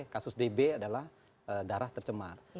kasus db adalah darah tercemar